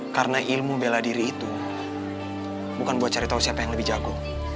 karena ilmu bela diri itu bukan buat cari tau siapa yang lebih jago